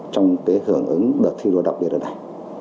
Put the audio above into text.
trong cái hưởng ứng đợt thi đua đặc biệt ở đây